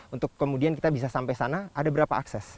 untuk kemudian kita bisa sampai sana ada berapa akses